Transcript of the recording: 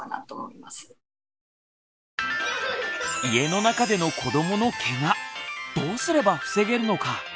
家の中での子どものケガどうすれば防げるのか？